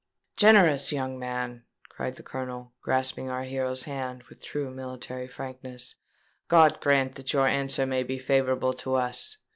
"Generous young man!" cried the Colonel, grasping our hero's hand with true military frankness: "God grant that your answer may be favourable to us.